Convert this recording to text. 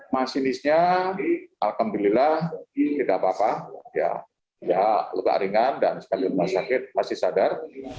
masinisnya alhamdulillah tidak apa apa lebih ringan dan sekalian masakit masih sadar